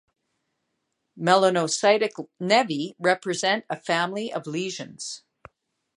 Melanocytic nevi represent a family of lesions.